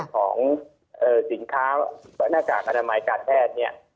ของสินค้าหน้ากากอนามัยการแพทย์เนี่ย